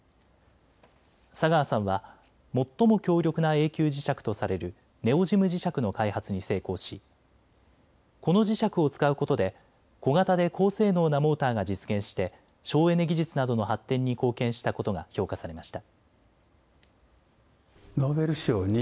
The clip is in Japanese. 佐川さんは最も強力な永久磁石とされるネオジム磁石の開発に成功しこの磁石を使うことで小型で高性能なモーターが実現して省エネ技術などの発展に貢献したことが評価されました。